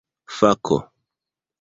fako